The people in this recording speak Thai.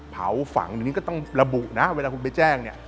เผาฝังเดี๋ยวนี้ก็ต้องระบุนะเวลาคุณไปแจ้ง